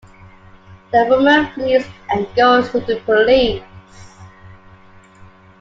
The woman flees and goes to the police.